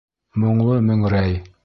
Моңло мөңрәй.